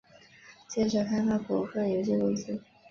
建设开发股份有限公司